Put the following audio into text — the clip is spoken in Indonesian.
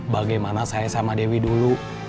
bagaimana saya sama dewi dulu